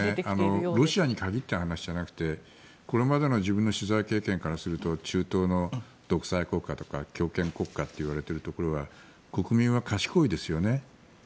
ロシアに限った話じゃなくてこれまでの自分の取材経験からすると中東の独裁国家とか強権国家といわれているところは国民は賢いですよね。